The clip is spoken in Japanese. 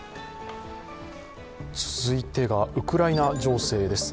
続いてがウクライナ情勢です。